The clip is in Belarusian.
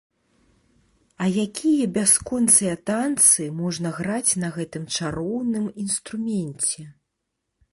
А якія бясконцыя танцы можна граць на гэтым чароўным інструменце!